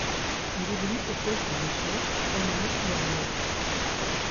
Il évolue aux postes de centre, ailier ou arrière.